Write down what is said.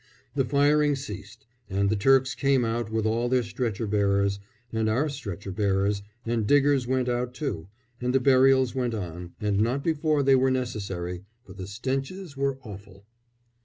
The firing ceased, and the Turks came out with all their stretcher bearers, and our stretcher bearers and diggers went out, too, and the burials went on and not before they were necessary, for the stenches were awful.